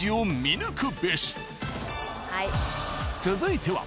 ［続いては］